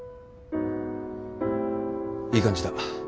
いい感じだ。